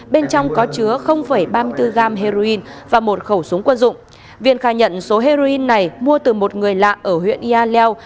bên trong có chứa ba mươi bốn gram heroin và một khẩu súng quân dụng viên khai nhận số heroin này mua từ một người lạ ở huyện yaleo